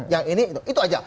yang ini itu aja